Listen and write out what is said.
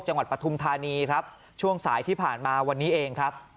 ปฐุมธานีครับช่วงสายที่ผ่านมาวันนี้เองครับ